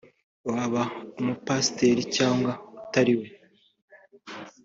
waba umupasiteri cyangwa utari we